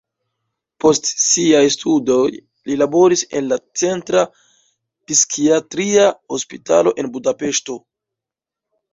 Post siaj studoj li laboris en la centra psikiatria hospitalo en Budapeŝto.